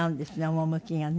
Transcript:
趣がね。